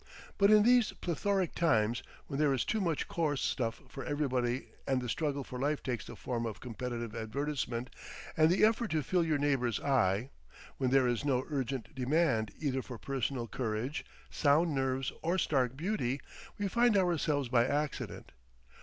But in these plethoric times when there is too much coarse stuff for everybody and the struggle for life takes the form of competitive advertisement and the effort to fill your neighbour's eye, when there is no urgent demand either for personal courage, sound nerves or stark beauty, we find ourselves by accident.